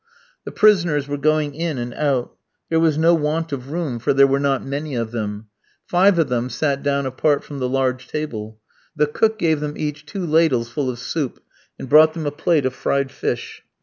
The prisoners were going in and out. There was no want of room, for there were not many of them. Five of them sat down apart from the large table. The cook gave them each two ladles full of soup, and brought them a plate of fried fish.